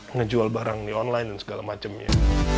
ngejual barangnya online dan segala macemnya